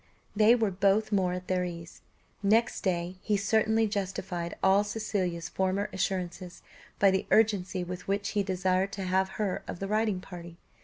They were both more at their ease. Next day, he certainly justified all Cecilia's former assurances, by the urgency with which he desired to have her of the riding party.